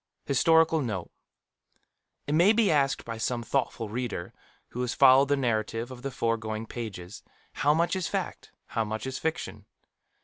Historical Note. It may be asked by some thoughtful reader who has followed the narrative of the foregoing pages, How much is fact, how much fiction?